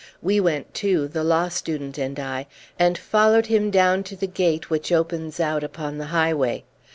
We went too, the law student and I, and followed him down to the gate which opens out upon the highway.